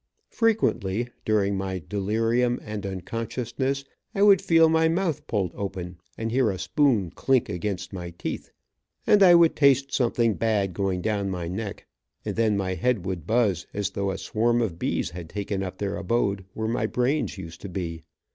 Frequently, during my delerium and unconsciousness, I would feel my mouth pulled open, and hear a spoon chink against my teeth, and I would taste something bad going down my neck, and then my head would buzz as though a swarm of bees had taken up their abode where my brain used to be.